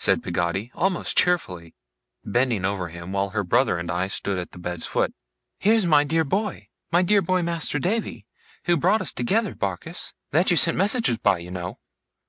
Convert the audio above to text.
said Peggotty, almost cheerfully: bending over him, while her brother and I stood at the bed's foot. 'Here's my dear boy my dear boy, Master Davy, who brought us together, Barkis! That you sent messages by, you know!